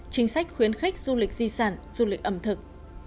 chính sách khuyến khích du lịch di sản du lịch ẩm thực